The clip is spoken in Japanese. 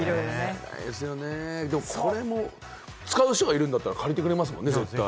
でも、これも使う人がいるんだったら、借りてくれますもんね。